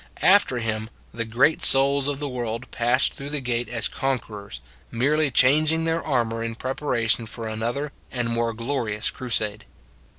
After Him the great souls of the world passed through the gate as conquerors, merely changing their armour in preparation for another and more glori ous crusade.